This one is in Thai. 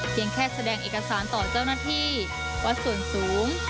แค่แสดงเอกสารต่อเจ้าหน้าที่วัดส่วนสูง